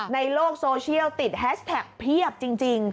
ในโลกโซเชียลติดแฮชแท็กเพียบจริง